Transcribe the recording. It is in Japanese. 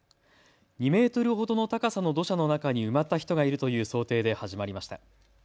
２メートルほどの高さの土砂の中に埋まった人がいるという想定で始まりました。